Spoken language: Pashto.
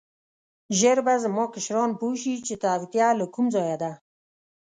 ژر به زما کشران پوه شي چې توطیه له کوم ځایه ده.